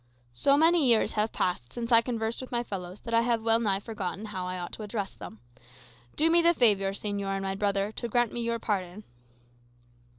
"So many years have passed since I have conversed with my fellows, that I have well nigh forgotten how I ought to address them. Do me the favour, señor and my brother, to grant me your pardon."